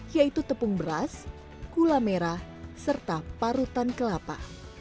yaitu tepung beras gula merah serta parutan kelapa